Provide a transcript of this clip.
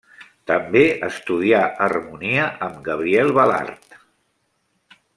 També estudià harmonia amb Gabriel Balart.